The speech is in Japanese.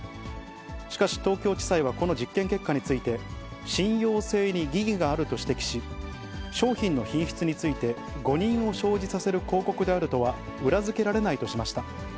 しかし東京地裁はこの実験結果について、信用性に疑義があると指摘し、商品の品質について誤認を生じさせる広告であるとは裏付けられないとしました。